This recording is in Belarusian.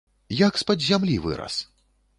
Як з-пад зямлі вырас!